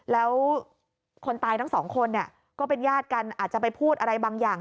แล้วคนตายทั้งสองคนเนี่ยก็เป็นญาติกันอาจจะไปพูดอะไรบางอย่าง